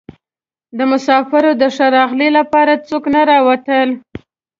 د مسافرو د ښه راغلي لپاره څوک نه راوتل.